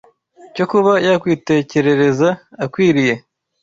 cyo kuba yakwitekerereza akwiriye